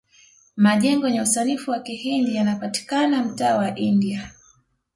majengo yenye usanifu wa kihindi yanapatikana mtaa wa india